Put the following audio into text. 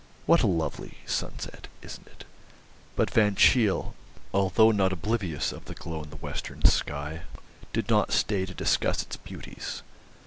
What a lovely sunset, isn't it?" But Van Cheele, although not oblivious of the glow in the western sky, did not stay to discuss its beauties.